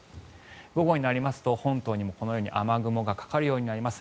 午後になると本島にもこのように雨雲がかかるようになります。